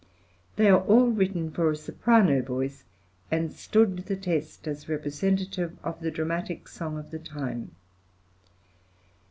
They are all written for a soprano voice, and stood the test as representative of the dramatic song of the time.